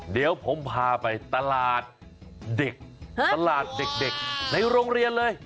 เดี๋ยวผมพาไปตลาดเด็กตลาดเด็กในโรงเรียนเลย